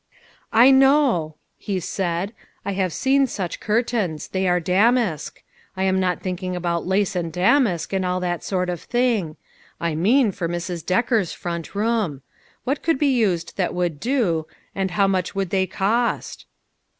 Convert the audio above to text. "I know," he said, " I have seen such curtains. They are damask. I am not thinking about lace, and damask, and all that sort of thing. I mean 114 LITTLE FISHERS: AND THEIR NETS. for Mrs. Decker's front room. What could be used that would do, and how much would they cost